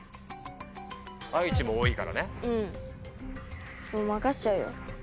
愛知も多いからね。